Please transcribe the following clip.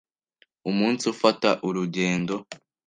Umunsi ufata urugendo